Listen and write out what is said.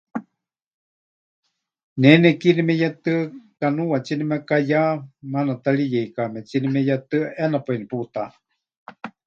Ne nekie nemeyetɨa, kanuwatsie nemekayá, maana ta ri yeikametsíe nemeyetɨa, ʼeena paɨ neputáʼa.